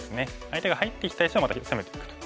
相手が入ってきた石をまた攻めていくと。